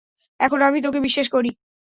এখন আমি তোকে বিশ্বাস করি!